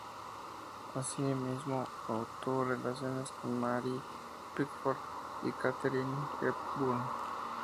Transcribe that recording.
Así mismo, tuvo relaciones con Mary Pickford y Katharine Hepburn.